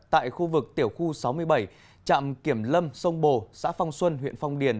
tại khu vực tiểu khu sáu mươi bảy trạm kiểm lâm sông bồ xã phong xuân huyện phong điền